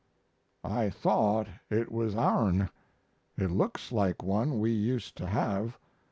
I thought it was ourn, it looks like one we used to have.